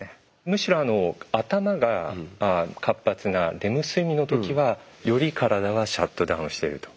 むしろ頭が活発なレム睡眠の時はより体はシャットダウンしてると。